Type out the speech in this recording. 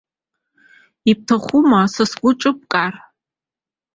Ибҭахума са сгәы ҿыбкаар?